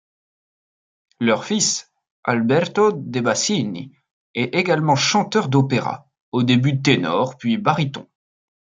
Leur fils, Alberto De Bassini, est également chanteur d'opéra, au début ténor puis baryton.